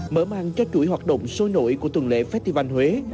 mở màn cho chuỗi hoạt động sôi nổi của tuần lễ festival huế